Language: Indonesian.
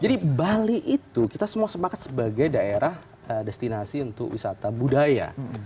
jadi bali itu kita semua semangat sebagai daerah destinasi untuk wisata budaya